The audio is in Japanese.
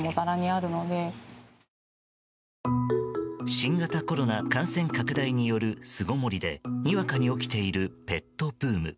新型コロナ感染拡大による巣ごもりでにわかに起きているペットブーム。